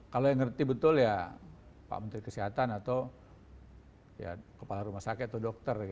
kalau yang ngerti betul ya pak menteri kesehatan atau kepala rumah sakit atau dokter